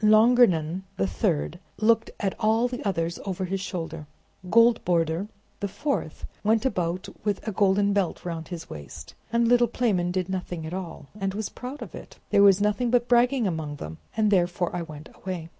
Longrnan, the third, looked at all the others over his shoulder. Goldborder, the fourth, went about with a golden belt round his waist; and little Playman did nothing at all, and was proud of it. There was nothing but bragging among them, and therefore I went away."